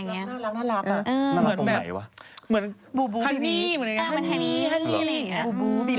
เหมือนฮาลี